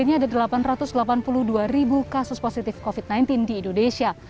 tentu saja kasus ini perihal bukan hanya unpredictable